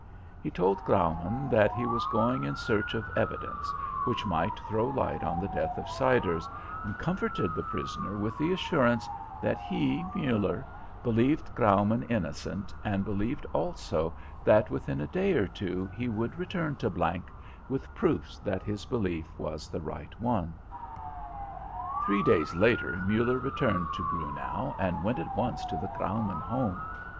He told Graumann that he was going in search of evidence which might throw light on the death of Siders, and comforted the prisoner with the assurance that he, Muller, believed Graumann innocent, and believed also that within a day or two he would return to G with proofs that his belief was the right one. Three days later Muller returned to Grunau and went at once to the Graumann home.